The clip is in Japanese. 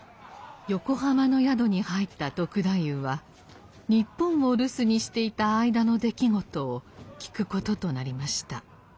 横浜の宿に入った篤太夫は日本を留守にしていた間の出来事を聞くこととなりました。